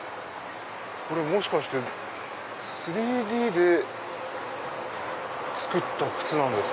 これもしかして３Ｄで作った靴なんですか？